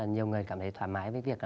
nhiều người cảm thấy thoải mái với việc